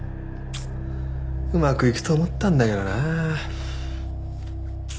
うまくいくと思ったんだけどな。